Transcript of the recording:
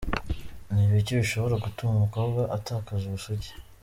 Ni ibiki bishobora gutuma umukobwa atakaza ubusugi